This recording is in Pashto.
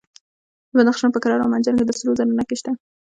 د بدخشان په کران او منجان کې د سرو زرو نښې شته.